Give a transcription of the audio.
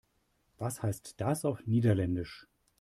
Was heißt das auf Niederländisch?